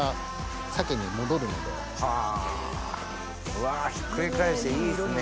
うわひっくり返していいですね。